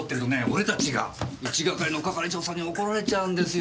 俺たちが１係の係長さんに怒られちゃうんですよ